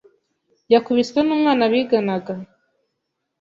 Yakubiswe n’umwana biganaga